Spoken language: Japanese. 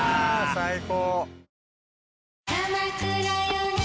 最高！